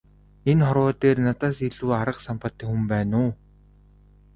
Энэ хорвоо дээр надаас илүү арга самбаатай хүн байна уу?